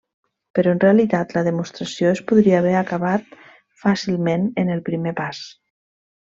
Però en realitat la demostració es podria haver acabat fàcilment en el primer pas.